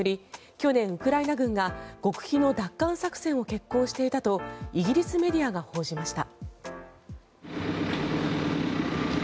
去年ウクライナ軍が極秘の奪還作戦を決行していたとイギリスメディアが報じました。